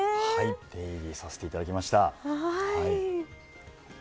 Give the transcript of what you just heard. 出入りさせていただきました。